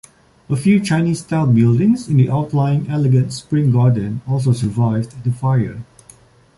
A few Chinese-style buildings in the outlying Elegant Spring Garden also survived the fire.